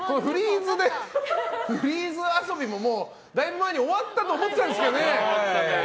フリーズ遊びもだいぶ前に終わってたと思ってたんですけどね。